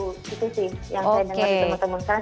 itu sih yang saya dengar dari teman teman saya